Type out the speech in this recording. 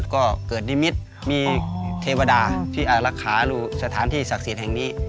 ก็เกิดนิมิตรมีเทวดาที่รักษาสถานที่ศักดิ์สิทธิ์แห่งนี้